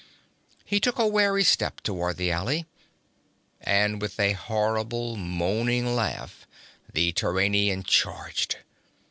He took a wary step toward the alley and with a horrible moaning laugh the Turanian charged.